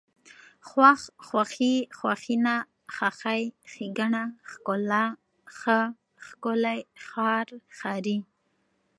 خوښ، خوښي، خوښېنه، خاښۍ، ښېګڼه، ښکلا، ښه، ښکلی، ښار، ښاري